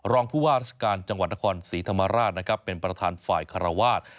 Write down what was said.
รองผู้ว่าราชการจังหวัดนครสีธมาราชเป็นประธานฝ่ายครวาช